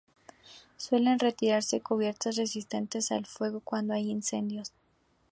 Suelen retirarse a cubiertas resistentes al fuego cuando hay incendios.